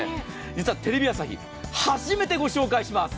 実はテレビ朝日初めてご紹介します。